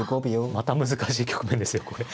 また難しい局面ですよこれ。